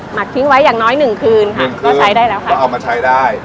หักทิ้งไว้อย่างน้อยหนึ่งคืนค่ะก็ใช้ได้แล้วค่ะก็เอามาใช้ได้